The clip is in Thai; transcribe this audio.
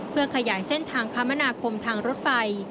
เพื่อขยายเส้นทางคมนาคมทางรถไฟ